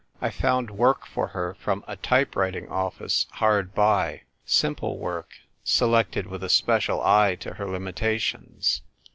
I found work for her from a type writing office hard by — simple work, selected with a special eye to her limitations.